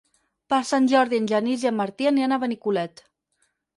Per Sant Jordi en Genís i en Martí aniran a Benicolet.